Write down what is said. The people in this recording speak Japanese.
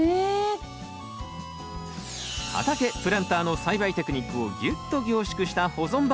畑プランターの栽培テクニックをギュッと凝縮した保存版。